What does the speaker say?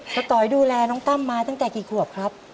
ต๋อยดูแลน้องตั้มมาตั้งแต่กี่ขวบครับ